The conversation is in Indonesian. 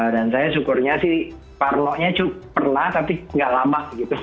dan saya syukurnya sih parno nya cukup pernah tapi nggak lama gitu